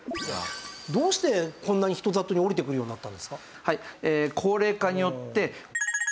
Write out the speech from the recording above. どうしてこんなに人里に下りてくるようになったんですか？